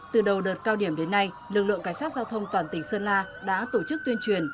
từ đầu đợt cao điểm đến nay lực lượng cảnh sát giao thông toàn tỉnh sơn la đã tổ chức tuyên truyền